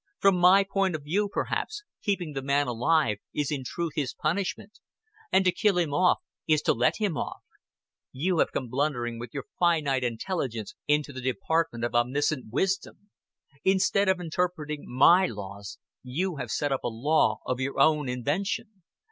From My point of view perhaps, keeping the man alive is in truth his punishment, and to kill him is to let him off. You have come blundering with your finite intelligence into the department of omniscient wisdom. Instead of interpreting My laws, you have set up a law of your own invention."